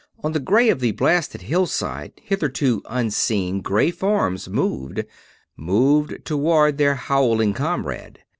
On the gray of the blasted hillside hitherto unseen gray forms moved; moved toward their howling comrade.